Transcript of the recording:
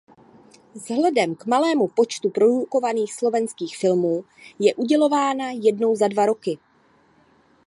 Vzhledem k malému počtu produkovaných slovenských filmů je udělována jednou za dva roky.